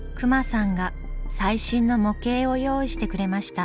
隈さんが最新の模型を用意してくれました。